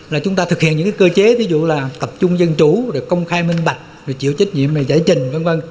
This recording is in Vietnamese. là chúng ta thực hiện những cái cơ chế ví dụ là tập trung dân chủ công khai minh bạch chịu trách nhiệm giải trình v v